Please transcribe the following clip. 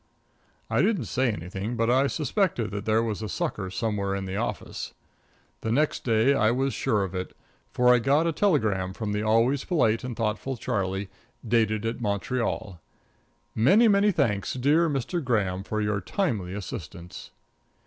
I didn't say anything, but I suspected that there was a sucker somewhere in the office. The next day I was sure of it, for I got a telegram from the always polite and thoughtful Charlie, dated at Montreal: "Many, many thanks, dear Mr. Graham, for your timely assistance."